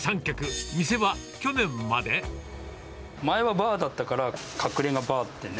前はバーだったから、隠れがバーってね。